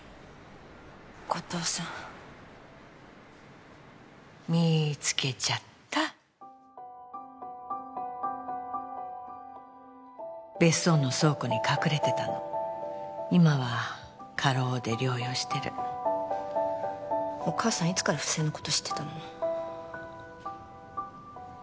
後藤さんみーつけちゃった別荘の倉庫に隠れてたの今は過労で療養してるお母さんいつから不正のこと知ってたの？